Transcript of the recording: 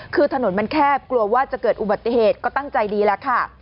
คือถนนมันแคบกลัวว่าจะเกิดอุบัติเหตุก็ตั้งใจดีแล้วค่ะ